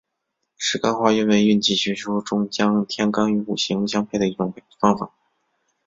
十干化运为运气学说中将天干与五行相配的一种方法。